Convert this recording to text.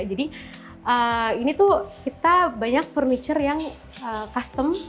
jadi ini tuh kita banyak furniture yang custom